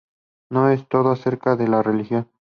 No es todo acerca de la religión.